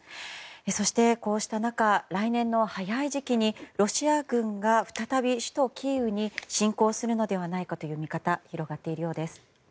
そして、こうした中来年の早い時期にロシア軍が再び首都キーウに侵攻するのではという見方が広がっているようです。